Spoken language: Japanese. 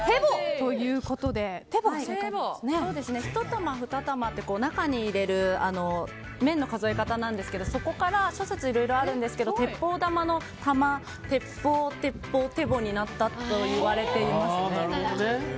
１玉、２玉って中に入れる麺の数え方なんですけどそこから諸説あるんですけど鉄砲弾の弾、鉄砲、テボになったと言われています。